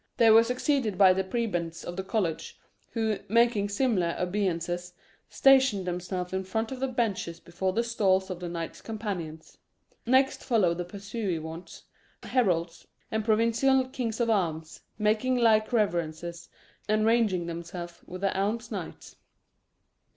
They were succeeded by the prebends of the College, who, making similar obeisances, stationed themselves in front of the benches before the stalls of the knights companions. Next followed the pursuivants, heralds, and provincial kings of arms, making like reverences, and ranging themselves with the alms knights.